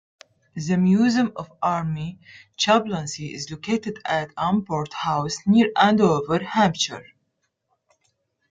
The Museum of Army Chaplaincy is located at Amport House near Andover, Hampshire.